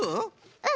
うん。